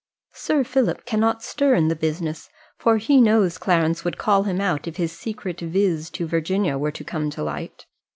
Sir Philip cannot stir in the business, for he knows Clarence would call him out if his secret visit to Virginia were to come to light.